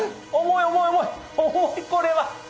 重いこれは！